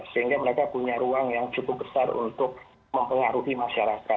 sehingga mereka punya ruang yang cukup besar untuk mempengaruhi masyarakat